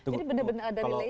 jadi benar benar ada relation